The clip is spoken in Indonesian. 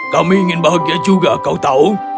kami ingin bahagia juga kau tahu